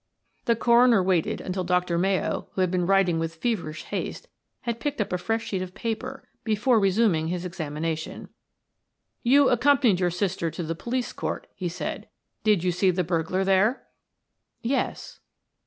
The coroner waited until Dr. Mayo, who had been writing with feverish haste, had picked up a fresh sheet of paper before resuming his examination. "You accompanied your sister to the police court," he said. "Did you see the burglar there?" "Yes."